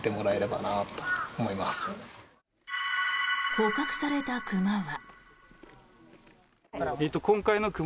捕獲された熊は。